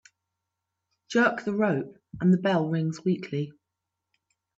Jerk the rope and the bell rings weakly.